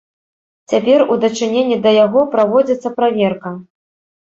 Цяпер у дачыненні да яго праводзіцца праверка.